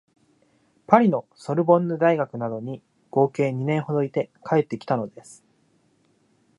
パリのソルボンヌ大学などに合計二年ほどいて帰ってきたのです